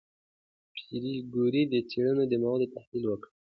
پېیر کوري د څېړنو د موادو تحلیل وکړ.